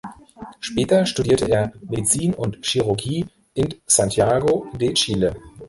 Später studierte er Medizin und Chirurgie in Santiago de Chile.